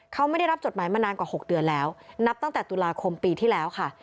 เขาไม่ได้รับจดหมายมานานกว่า๖เดือนแล้วนับตั้งแต่ตุลาคมปีที่แล้วค่ะ